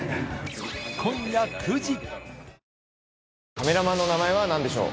カメラマンの名前は何でしょう？